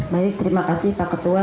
baik terima kasih pak ketua